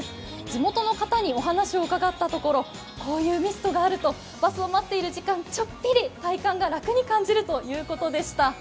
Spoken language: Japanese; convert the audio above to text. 地元の方にお話を伺ったところ、こういうミストがあるとバスを待っている時間、ちょっぴり体感が楽に感じるということでした。